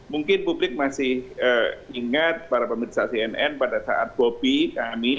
mungkin publik masih ingat para pemerintah cnn pada saat bobby kami